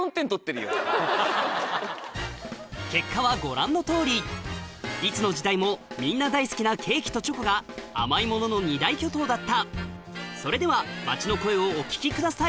結果はご覧のとおりいつの時代もみんな大好きなケーキとチョコが甘いものの２大巨頭だったそれでは街の声をお聞きください